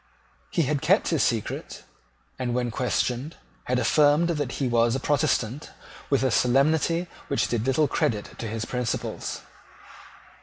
He had kept his secret, and, when questioned, had affirmed that he was a Protestant with a solemnity which did little credit to his principles.